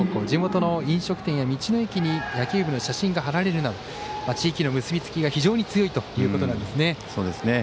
地元の飲食店や道の駅で野球部の写真が貼られるなど地域の結びつきが非常に強いということなんですね。